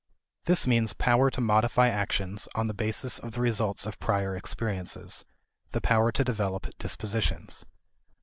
This means power to modify actions on the basis of the results of prior experiences, the power to develop dispositions.